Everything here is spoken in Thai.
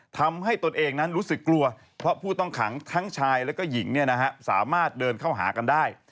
ตนเองนั้นรู้สึกกลัวเพราะผู้ต้องขังทั้งชายและก็หญิงสามารถเดินเข้าหากันได้